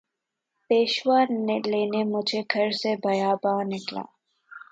پیشوا لینے مجھے گھر سے بیاباں نکلا